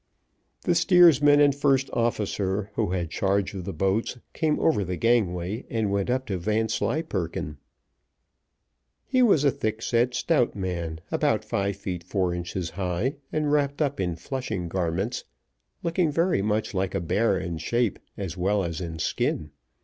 The steersman and first officer, who had charge of the boats, came over the gangway and went up to Vanslyperken. He was a thickset, stout man, about five feet four inches high, and, wrapped up in Flushing garments, looked very much like a bear in shape as well as in skin.